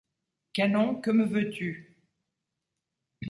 Canon, que me veux-tu ?